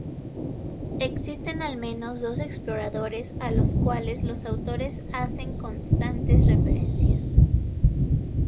Existen al menos dos exploradores a los cuales los autores hacen constantes referencias.